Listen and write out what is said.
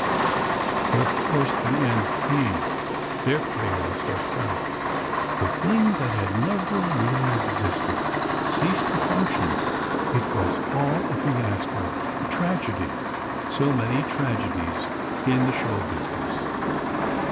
But, of course, the end came. Their pay, also, stopped. The thing that had never really existed, ceased to function. It was all a fiasco—a tragedy ... so many tragedies in the show business.